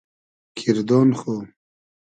کیردۉن خو